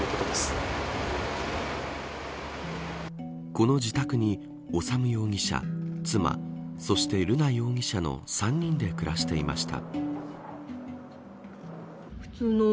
この自宅に修容疑者、妻そして瑠奈容疑者の３人で暮らしていました。